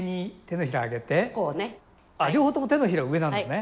あ両方とも手のひら上なんですね。